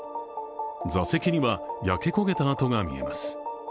座席には焼け焦げた跡が見えます。